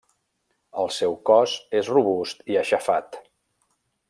El seu cos és robust i aixafat.